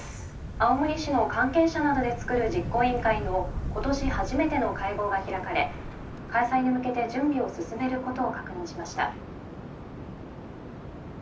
「青森市の関係者などで作る実行委員会の今年初めての会合が開かれ開催に向けて準備を進めることを確認しました」。